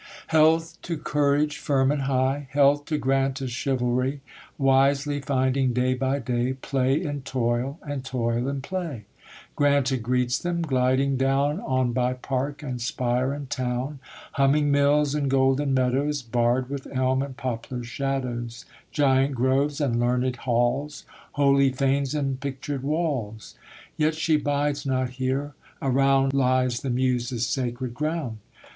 Health to courage firm and high! Health to Granta's chivalry! Wisely finding, day by day, Play in toil, and toil in play. Granta greets them, gliding down On by park and spire and town; Humming mills and golden meadows, Barred with elm and poplar shadows; Giant groves, and learned halls; Holy fanes and pictured walls. Yet she bides not here; around Lies the Muses' sacred ground.